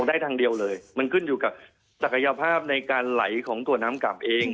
ได้ทางเดียวเลยมันขึ้นอยู่กับศักยภาพในการไหลของตัวน้ำกลับเอง